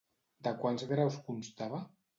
De quants graus constava?